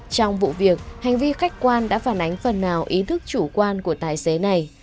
trong vụ việc hành vi khách quan đã phản ánh phần nào ý thức chủ quan của tài xế này